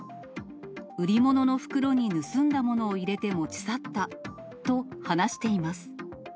売り物の袋に盗んだものを入れて持ち去ったと話しています。